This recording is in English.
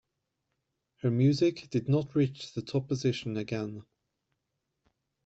Her music did not reach the top position again.